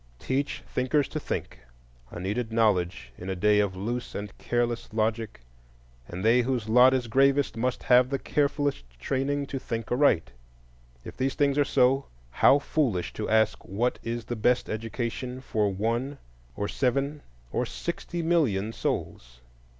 Teach thinkers to think,—a needed knowledge in a day of loose and careless logic; and they whose lot is gravest must have the carefulest training to think aright. If these things are so, how foolish to ask what is the best education for one or seven or sixty million souls!